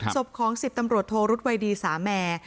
ศพของ๑๐ตำรวจโทรุษวัยดีสามแมร์